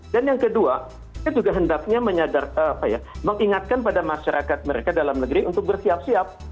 dan yang kedua ini juga hendaknya mengingatkan pada masyarakat mereka dalam negeri untuk bersiap siap